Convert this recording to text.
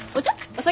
お酒？